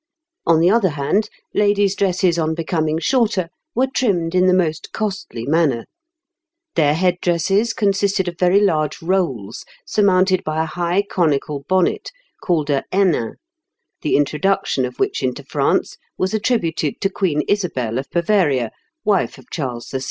On the other hand, ladies' dresses on becoming shorter were trimmed in the most costly manner. Their head dresses consisted of very large rolls, surmounted by a high conical bonnet called a hennin, the introduction of which into France was attributed to Queen Isabel of Bavaria, wife of Charles VI.